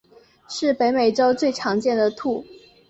是北美洲最常见的兔。